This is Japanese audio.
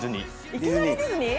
いきなりディズニー？